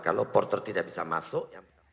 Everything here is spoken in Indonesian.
kalau porter tidak bisa masuk yang penting